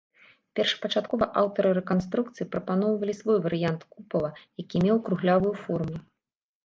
Першапачаткова аўтары рэканструкцыі прапаноўвалі свой варыянт купала, які меў круглявую форму.